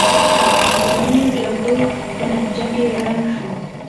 د کورنیو جګړو په نتیجه کې ړنګ شو.